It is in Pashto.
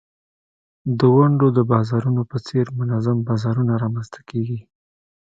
د ونډو د بازارونو په څېر منظم بازارونه رامینځته کیږي.